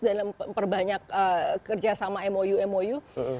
dan memperbanyak kerja sama mou mou